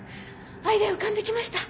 アイデア浮かんで来ました？